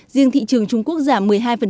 riêng thị trường trung quốc giảm một mươi hai